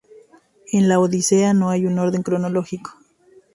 En la "Odisea" no hay un orden cronológico.